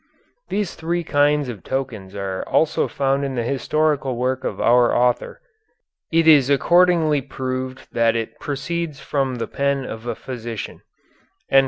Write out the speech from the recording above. These three kinds of tokens are also found in the historical work of our author. It is accordingly proved that it proceeds from the pen of a physician.